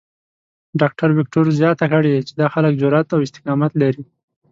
ډاکټر وېکټور زیاته کړې چې دا خلک جرات او استقامت لري.